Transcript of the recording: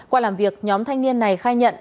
qua làm việc nhóm thanh niên này khai nhận